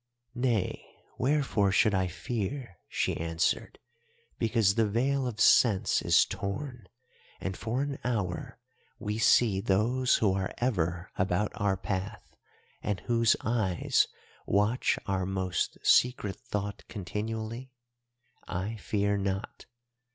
"'Nay, wherefore should I fear,' she answered, 'because the veil of sense is torn, and for an hour we see those who are ever about our path and whose eyes watch our most secret thought continually? I fear not.